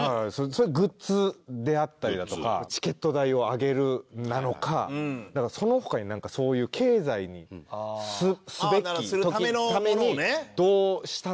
それグッズであったりだとかチケット代を上げるなのかその他になんかそういう経済にすべきためにどうしたら？